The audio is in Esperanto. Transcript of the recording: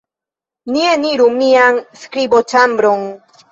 Ni eniru mian skriboĉambron.